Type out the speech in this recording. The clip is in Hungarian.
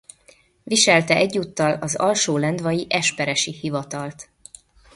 Viselte egyúttal az alsólendvai esperesi hivatalt.